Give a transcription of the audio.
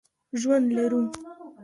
ژوند لرو.